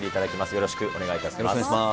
よろしくお願いします。